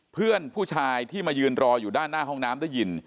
เพื่อนผู้ชายที่มายืนรออยู่ด้านหน้าห้องน้ำได้ยิน